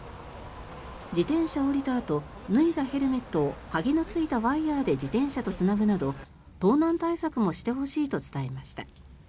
自転車を降りたあと脱いだヘルメットを鍵のついたワイヤで自転車とつなぐなど盗難対策もしてほしいと伝えました。